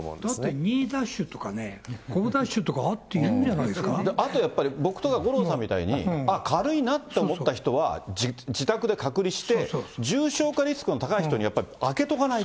２ダッシュとか５ダッシュとか、あとやっぱり僕とか五郎さんみたいに、軽いなって思った人は、自宅で隔離して、重症化リスクの高い人にやっぱり空けとかないと。